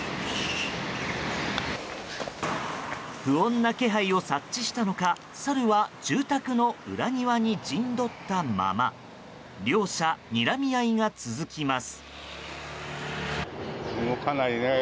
不穏な気配を察知したのかサルは、住宅の裏庭に陣取ったまま。両者にらみ合いが続きます。